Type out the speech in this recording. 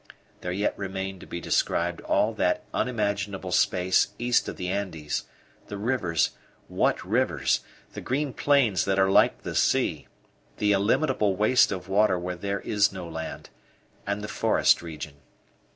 There yet remained to be described all that unimaginable space east of the Andes; the rivers what rivers! the green plains that are like the sea the illimitable waste of water where there is no land and the forest region.